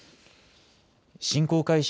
侵攻開始